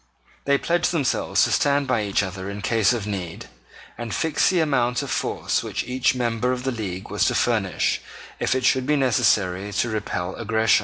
They pledged themselves to stand by each other in case of need, and fixed the amount of force which each member of the league was to furnish if it should be necessary to repel aggression.